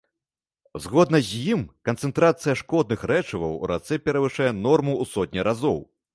Згодна з ім, канцэнтрацыя шкодных рэчываў у рацэ перавышае норму ў сотні разоў.